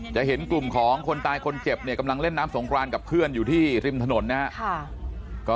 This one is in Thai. เห็นกลุ่มของคนตายคนเจ็บเนี่ยกำลังเล่นน้ำสงครานกับเพื่อนอยู่ที่ริมถนนนะครับ